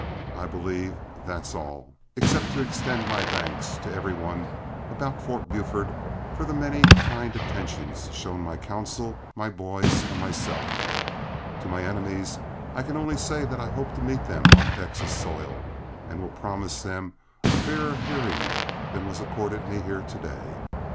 I believe that's all, except to extend my thanks to every one about Fort Buford for the many kind attentions shown my counsel, my boys, and myself. To my enemies, I can only say that I hope to meet them on Texas soil, and will promise them a fairer hearing than was accorded me here to day. Mr.